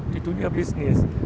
di dunia bisnis